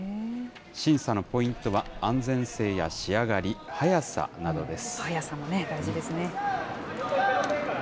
審査のポイントは、安全性や仕上がり、速さなどです。